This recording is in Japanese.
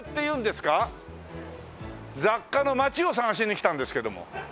雑貨の町を探しに来たんですけども。